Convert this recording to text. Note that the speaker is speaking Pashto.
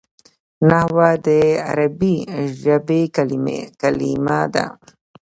نحوه د عربي ژبي کلیمه ده.